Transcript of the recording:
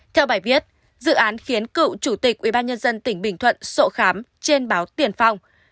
theo bài viết dự án khiến cựu chủ tịch ubnd tỉnh bình thuận sộ khám trên báo tiền phong